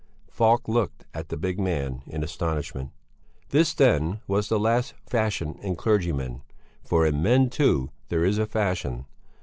Falk looked at the big man in astonishment. This, then, was the last fashion in clergymen, for in men, too, there is a fashion.